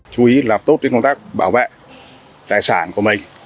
chú ý làm tốt công tác bảo vệ tài sản của mình